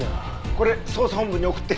これ捜査本部に送って。